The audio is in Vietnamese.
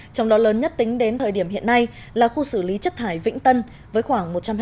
trong đó lớn nhất tính đến thời điểm hiện nay là khu xử lý chất thải vĩnh tân với khoảng một trăm linh ha